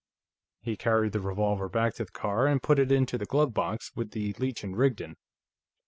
He carried the revolver back to the car and put it into the glove box with the Leech & Rigdon.